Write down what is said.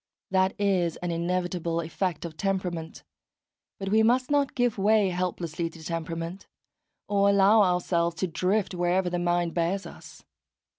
That is an inevitable effect of temperament; but we must not give way helplessly to temperament, or allow ourselves to drift wherever the mind bears us.